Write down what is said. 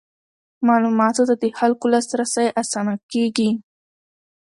معلوماتو ته د خلکو لاسرسی اسانه کیږي.